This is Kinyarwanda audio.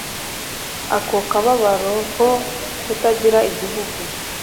Ako kababaro ko kutagira igihugu